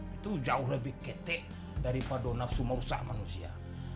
itu jauh lebih ketek daripada nafsu merusak manusia